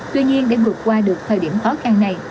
tuy nhiên để vượt qua được thời điểm khó khăn này